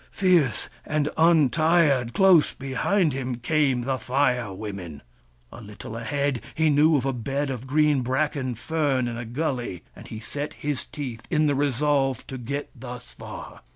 Fierce and untired, close behind him, came the Fire Women. A little ahead, he knew of a bed of green bracken fern in a gully, and he set his teeth in the resolve to get thus far.